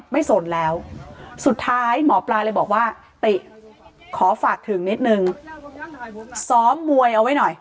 สนแล้วสุดท้ายหมอปลาเลยบอกว่าติขอฝากถึงนิดนึงซ้อมมวยเอาไว้หน่อย